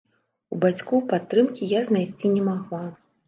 У бацькоў падтрымкі я знайсці не магла.